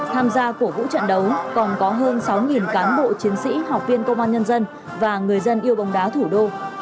tham gia cổ vũ trận đấu còn có hơn sáu cán bộ chiến sĩ học viên công an nhân dân và người dân yêu bóng đá thủ đô